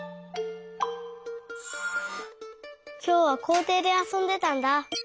きょうはこうていであそんでたんだ。